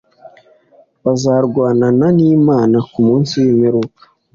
Bazarwanana n`Imana kumunsi wimperuka